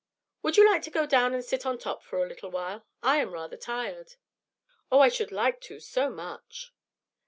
"Would you like to go down and sit on top for a little while? I am rather tired." "Oh, I should like to so much."